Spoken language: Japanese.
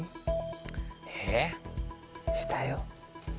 えっ？下よ。